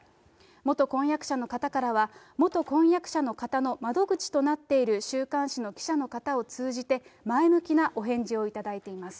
元婚約者の方からは、元婚約者の方の窓口となっている週刊誌の記者の方を通じて前向きなお返事をいただいています。